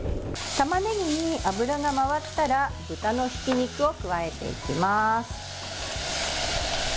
たまねぎに油が回ったら豚のひき肉を加えていきます。